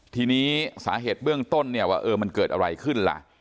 ทีนี้สาเหตุเบื้องต้นเนี่ยว่าเออมันเกิดอะไรขึ้นล่ะ